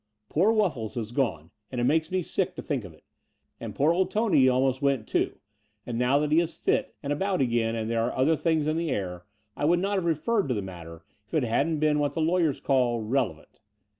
Poor Wuffles The Brighton Road 23 has gone — ^and it makes me sick to tiiink of it — and poor old Tony almost went too: and now that he is fit and about again and there are other things in the air, I would not have referred to the matter, if it hadn't been what the lawyers call relevant.